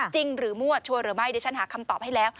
จริงหรือมั่วชัวร์หรือไม่เดี๋ยวฉันหาคำตอบให้แล้ว